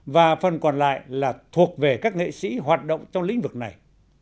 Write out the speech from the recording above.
và phần còn lại là thuộc về các nghệ sĩ hoạt động trong lĩnh vực này